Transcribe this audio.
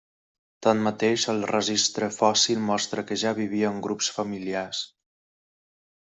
Tanmateix, el registre fòssil mostra que ja vivia en grups familiars.